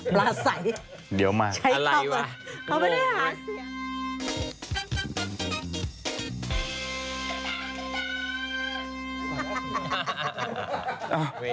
ปลาไส่ใช้ภาพเขาไม่ได้หาเสียงอะไรวะ